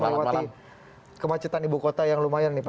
melewati kemacetan ibu kota yang lumayan nih pak